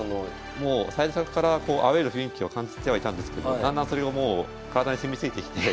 もう最初からアウェーの雰囲気を感じてはいたんですけどだんだんそれがもう体に染みついてきて。